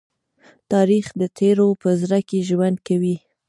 تاریخ د تېرو په زړه کې ژوند کوي.